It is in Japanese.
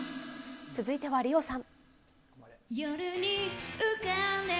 続いてはリオさん。